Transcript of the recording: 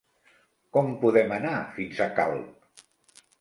Com podem anar fins a Calp?